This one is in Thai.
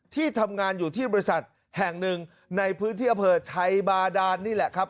ที่ทำงานอยู่ที่บริษัทแห่งหนึ่งในพื้นที่อำเภอชัยบาดานนี่แหละครับ